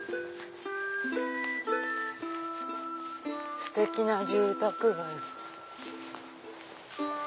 ステキな住宅街。